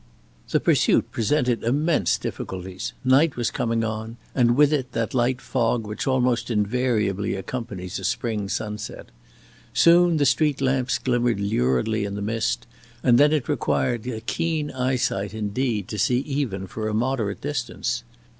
The pursuit presented immense difficulties. Night was coming on, and with it that light fog which almost invariably accompanies a spring sunset. Soon the street lamps glimmered luridly in the mist, and then it required a keen eyesight indeed to see even for a moderate distance.